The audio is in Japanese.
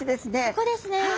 あっここですね。